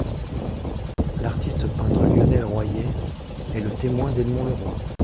L’artiste peintre Lionel Royer est le témoin d’Edmond Leroy.